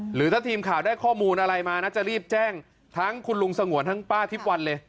หรือถ้าทีมข่าวได้ข้อมูลอะไรมานะจะรีบแจ้งทั้งคุณลุงสงวนทั้งป้าทิพย์วันเลย